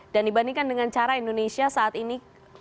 dan dibandingkan dengan cara indonesia saat ini